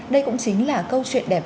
đây cũng chính là câu chuyện đẹp